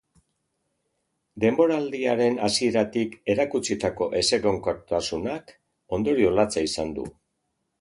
Denboraldiaren hasieratik erakutsitako ezegonkortasunak ondorio latza izan du.